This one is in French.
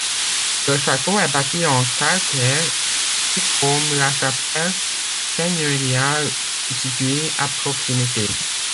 Le château est bâti en calcaire, tout comme la chapelle seigneuriale située à proximité.